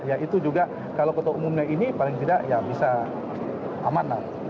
ya itu juga kalau ketua umumnya ini paling tidak ya bisa aman lah